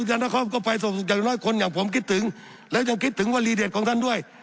ยานครก็ไปส่งอย่างน้อยคนอย่างผมคิดถึงแล้วยังคิดถึงวลีเด็ดของท่านด้วย